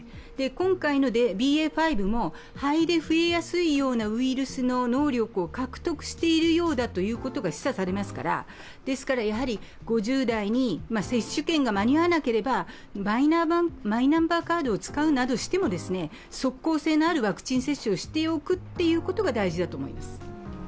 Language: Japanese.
今回のＢＡ．５も肺で増えやすいようなウイルスの能力を獲得しているようだということが示唆されますから、５０代に接種券が間に合わなければマイナンバーカードを使うなどしても即効性のあるワクチン接種をしておくことが大事だと思います。